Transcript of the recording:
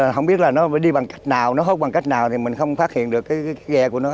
không biết là nó phải đi bằng cách nào nó hốt bằng cách nào thì mình không phát hiện được cái ghe của nó